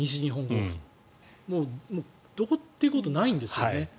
もう、どこということがないんですよね。